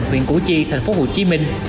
huyện củ chi tp hcm